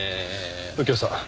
右京さん